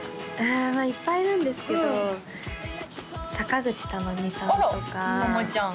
あいっぱいいるんですけど阪口珠美さんとかあらたまちゃん